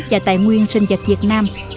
và tài nguyên sinh vật việt nam